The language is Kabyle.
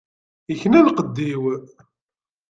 Ikna lqedd-iw.